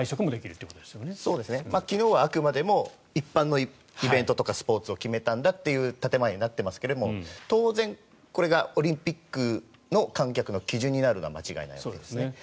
昨日はあくまでも一般のイベントとかスポーツを決めたんだという建前になっていますが当然これがオリンピックの観客の基準になるのは間違いないわけですね。